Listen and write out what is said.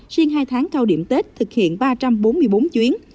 riêng hai tháng cao điểm tết thực hiện ba trăm bốn mươi bốn chuyến